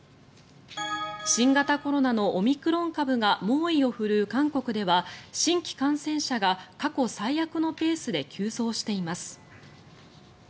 新型コロナのオミクロン株が猛威を振るう韓国では新規感染者が過去最悪のペースで急増しています。